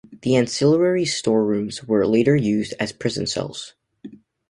The ancillary storerooms were later used as prison cells.